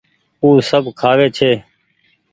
او سب کآوي ڇي۔